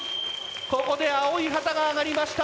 ここで青い旗が上がりました。